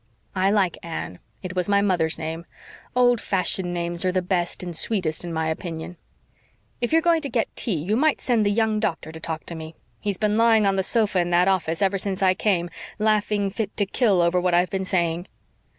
"I like Anne. It was my mother's name. Old fashioned names are the best and sweetest in my opinion. If you're going to get tea you might send the young doctor to talk to me. He's been lying on the sofa in that office ever since I came, laughing fit to kill over what I've been saying."